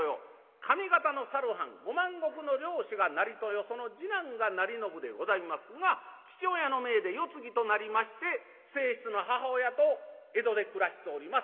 上方のさる藩５万石の領主が成豊その次男が成信でございますが父親の命で世継ぎとなりまして正室の母親と江戸で暮らしております。